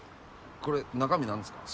これ中身なんですか？